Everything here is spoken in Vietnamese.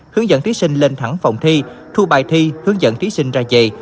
hướng dẫn thí sinh lên thẳng phòng thi thu bài thi hướng dẫn thí sinh ra chì